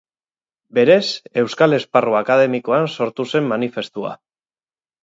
Berez, euskal esparru akademikoan sortu zen manifestua.